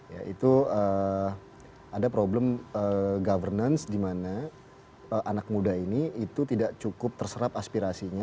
ya itu ada problem governance di mana anak muda ini itu tidak cukup terserap aspirasinya